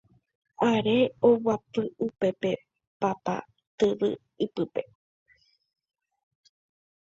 Are aguapy upépe papa tyvy ypýpe